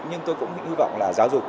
nhưng tôi cũng hy vọng là giáo dục